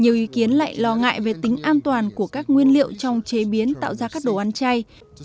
nhiều ý kiến lại lo ngại về tính an toàn của các nguyên liệu trong chế biến tạo ra các đồ ăn chay